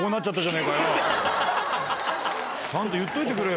ちゃんと言っといてくれよ。